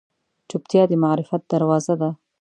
چوپتیا، د معرفت دروازه ده.